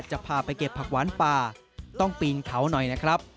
จะพาไปเก็บผักหวานป่าต้องปีนเขาหน่อยนะครับ